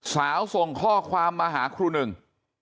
ส่งข้อความมาหาครูหนึ่ง